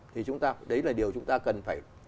thì chúng ta đấy là điều chúng ta cần phải